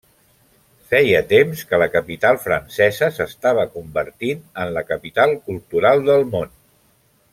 Feia temps que la capital francesa s'estava convertint en la capital cultural del món.